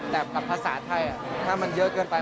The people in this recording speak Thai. แต่ภาษาไทยถ้ามันเยอะเกินไป